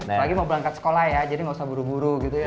apalagi mau berangkat sekolah ya jadi nggak usah buru buru gitu ya